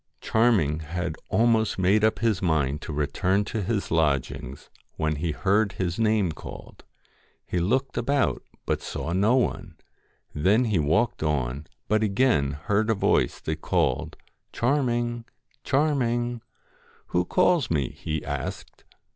MAID Charming had almost made up his mind to return G QLDEN to his lodgings, when he heard his name called. LOCKS He looked about, but saw no one. Then he walked on, but again heard a voice that called : 'Charming! Charming!' 1 Who calls me ?' he asked.